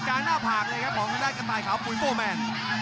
การหน้าผากเลยครับของกระดาษกระต่ายขาวฟูลโฟร์แมน